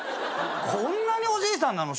こんなにおじいさんなの？